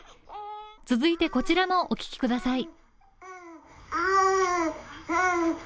続いて、こちらもお聴きください。